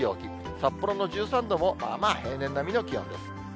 札幌の１３度も、まあまあ平年並みの気温です。